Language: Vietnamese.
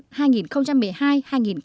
từng bước khẳng định